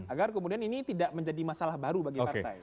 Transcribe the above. agar kemudian ini tidak menjadi masalah baru bagi partai